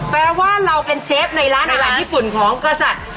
แปลว่าเราเป็นเชฟในร้านอาหารญี่ปุ่นของกษัตริย์